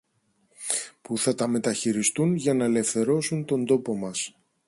που θα τα μεταχειριστούν για να ελευθερώσουν τον τόπο μας